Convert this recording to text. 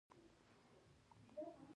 په دالان کې د تیارو بلا بیده وه